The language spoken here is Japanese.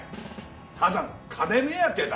ただの金目当てだ！